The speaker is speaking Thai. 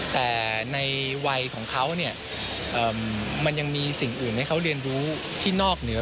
แต่ในวัยของเขาเนี่ยมันยังมีสิ่งอื่นให้เขาเรียนรู้ที่นอกเหนือ